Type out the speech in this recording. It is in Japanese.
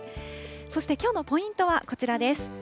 そしてきょうのポイントはこちらです。